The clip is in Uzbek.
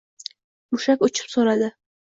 Mushak uchib so’nadi